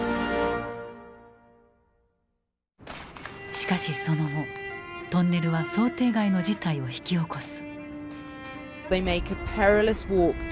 しかしその後トンネルは想定外の事態を引き起こす。